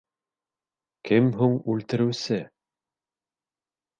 Кем һуң үлтереүсе?